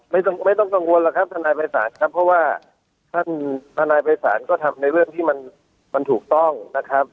ไม่ต้องกังวลหรอกครับทนายภัยศาลครับเพราะว่าท่านทนายภัยศาลก็ทำในเรื่องที่มันถูกต้องนะครับ